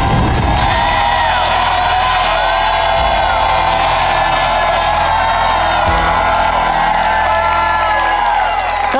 สวัสดีครับ